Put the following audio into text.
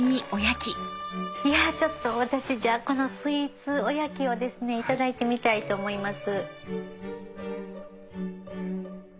いやぁちょっと私じゃあこのスイーツおやきをいただいてみたいと思います。